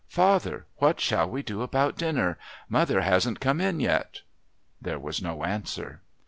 "Father, what shall we do about dinner? Mother hasn't come in yet." There was no answer.